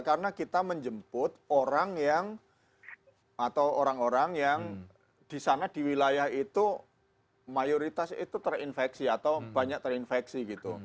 karena kita menjemput orang yang atau orang orang yang di sana di wilayah itu mayoritas itu terinfeksi atau banyak terinfeksi gitu